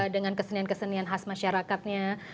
dengan kesenian kesenian khas masyarakatnya